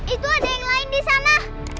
itu ada yang lain di sana